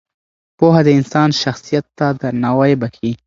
پوهه د انسان شخصیت ته درناوی بښي.